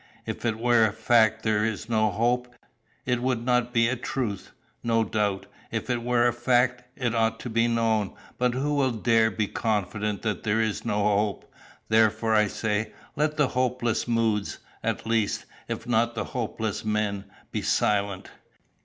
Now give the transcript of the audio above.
If it were a fact that there is no hope, it would not be a truth. No doubt, if it were a fact, it ought to be known; but who will dare be confident that there is no hope? Therefore, I say, let the hopeless moods, at least, if not the hopeless men, be silent.